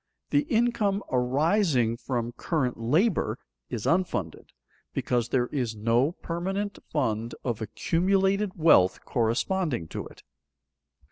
The income arising from current labor is unfunded, because there is no permanent fund of accumulated wealth corresponding to it.